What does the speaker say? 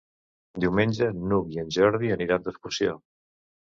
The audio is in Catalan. Diumenge n'Hug i en Jordi aniran d'excursió.